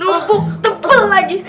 mumpuk tebal lagi